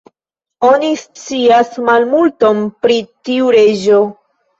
Oni scias malmulton pri tiu reĝo.